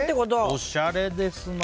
おしゃれですね。